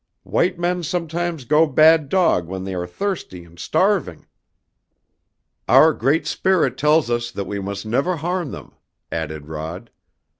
White men sometimes go bad dog when they are thirsty and starving!" "Our Great Spirit tells us that we must never harm them," added Rod.